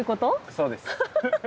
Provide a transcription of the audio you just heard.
そうです。